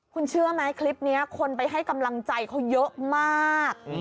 คุณเชื่อไหมคลิปนี้คนไปให้กำลังใจเขาเยอะมาก